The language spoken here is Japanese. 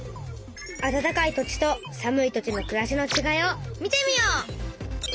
「あたたかい土地とさむい土地のくらしのちがい」を見てみよう！